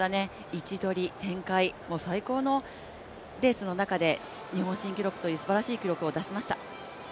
位置取り、展開、最高のレースの中で日本新記録というすばらしい記録を出しました。